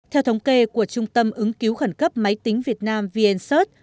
theo thống kê của trung tâm ứng cứu khẩn cấp máy tính việt nam vncert